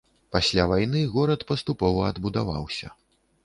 Пасля вайны горад паступова адбудаваўся.